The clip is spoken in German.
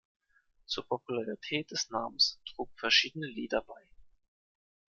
Zur Popularität des Namens trugen verschiedene Lieder bei.